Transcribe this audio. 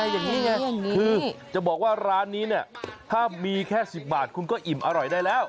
อย่างนี้ไงคือจะบอกว่าร้านนี้เนี่ยถ้ามีแค่๑๐บาทคุณก็อิ่มอร่อยได้แล้ว